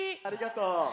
ありがとう。